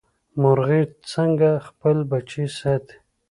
مورغۍ څنګه خپل بچي ساتي؟